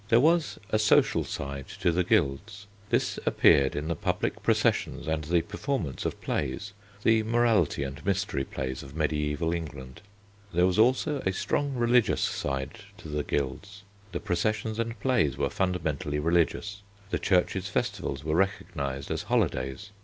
There was a social side to the guilds. This appeared in the public processions and the performances of plays, the morality and mystery plays of mediæval England. There was also a strong religious side to the guilds. The processions and plays were fundamentally religious. The Church's festivals were recognised as holidays.